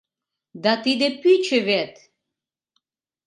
— Да тиде пӱчӧ вет!